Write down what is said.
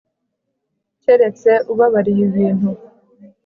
keretse ubabariye ibintu